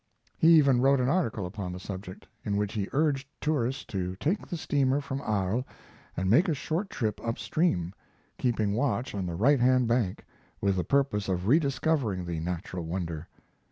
He even wrote an article upon the subject, in which he urged tourists to take steamer from Arles and make a short trip upstream, keeping watch on the right hand bank, with the purpose of rediscovering the natural wonder.